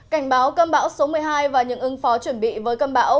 cảnh báo cơm bão số một mươi hai và những ứng phó chuẩn bị với cơm bão